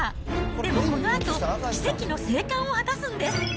でもこのあと、奇跡の生還を果たすんです。